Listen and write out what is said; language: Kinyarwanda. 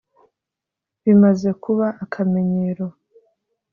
bimaze kuba akamenyero